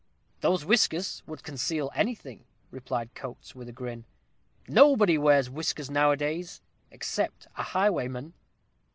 "Those whiskers would conceal anything," replied Coates, with a grin. "Nobody wears whiskers nowadays, except a highwayman."